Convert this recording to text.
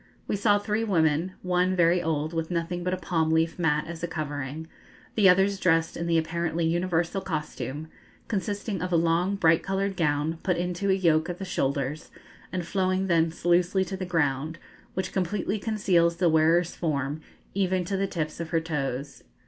We saw three women, one very old, with nothing but a palm leaf mat as a covering, the others dressed in the apparently universal costume, consisting of a long bright coloured gown, put into a yoke at the shoulders, and flowing thence loosely to the ground, which completely conceals the wearer's form, even to the tips of her toes.